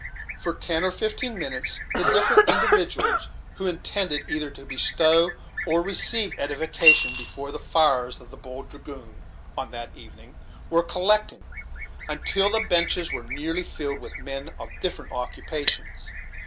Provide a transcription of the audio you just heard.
For ten or fifteen minutes the different individuals, who intended either to bestow or receive edification before the fires of the "Bold Dragoon" on that evening, were collecting, until the benches were nearly filled with men of different occupations.